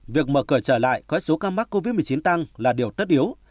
việc mở cửa trở lại có số ca mắc covid một mươi chín tăng là điều tất yếu